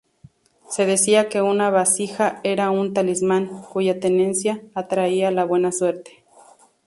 Se decía que una vasija era un talismán, cuya tenencia atraía la buena suerte.